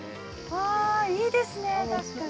ああ、いいですね、確かに。